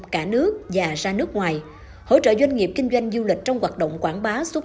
cả nước và ra nước ngoài hỗ trợ doanh nghiệp kinh doanh du lịch trong hoạt động quảng bá xúc